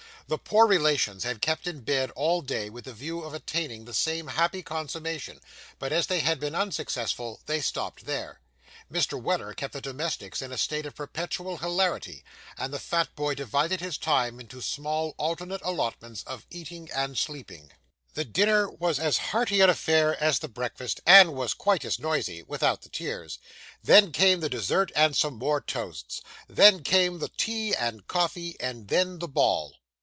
The poor relations had kept in bed all day, with the view of attaining the same happy consummation, but, as they had been unsuccessful, they stopped there. Mr. Weller kept the domestics in a state of perpetual hilarity; and the fat boy divided his time into small alternate allotments of eating and sleeping. The dinner was as hearty an affair as the breakfast, and was quite as noisy, without the tears. Then came the dessert and some more toasts. Then came the tea and coffee; and then, the ball.